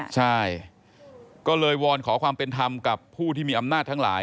ใช่ก็เลยวอนขอความเป็นธรรมกับผู้ที่มีอำนาจทั้งหลาย